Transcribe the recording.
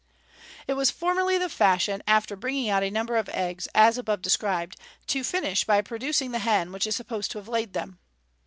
It was formerly the fashion, after bringing out a number of eggs as above described, to finish by producing the hen which is supposed to have laid them.